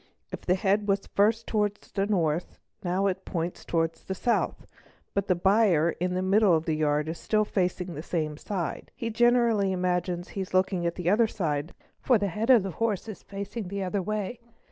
If the head was first towards the north it now points towards the south, but the buyer in the middle o the yard is still facing the same side; he generally imagines he is looking at the other side for the head of the horse is facing the other way.